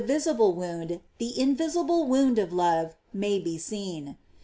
visible wound, the invisible wound of love may be seen.